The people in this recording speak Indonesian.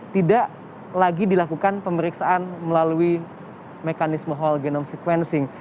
tidak lagi dilakukan pemeriksaan melalui mekanisme whole genome sequencing